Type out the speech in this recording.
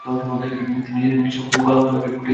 তিনি নিজের সম্পাদনায় বালক নামে একটি পত্রিকা প্রকাশ করেন।